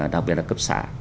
đặc biệt là cấp xã